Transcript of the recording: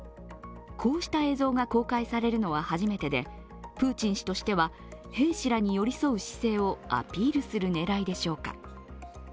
こうした映像が公開されるのは初めてでプーチン氏としては兵士らに寄り添う姿勢をアピールする狙いでしょうか。